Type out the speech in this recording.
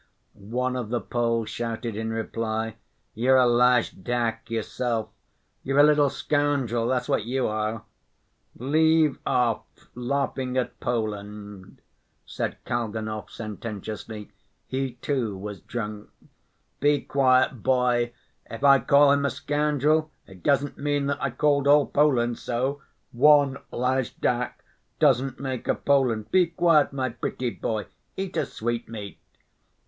_" one of the Poles shouted in reply. "You're a lajdak yourself! You're a little scoundrel, that's what you are." "Leave off laughing at Poland," said Kalganov sententiously. He too was drunk. "Be quiet, boy! If I call him a scoundrel, it doesn't mean that I called all Poland so. One lajdak doesn't make a Poland. Be quiet, my pretty boy, eat a sweetmeat."